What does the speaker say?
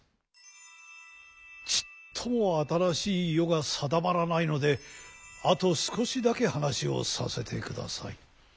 ちっとも新しい世が定まらないのであと少しだけ話をさせてください。